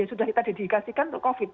sudah kita dedikasikan untuk covid